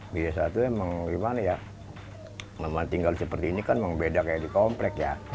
biasanya memang tinggal seperti ini kan memang beda seperti di komplek ya